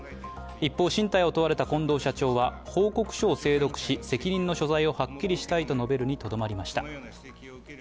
一方、進退を問われた近藤社長は報告書を精読し、責任の所在をはっきりしたいと述べるにとどまりました。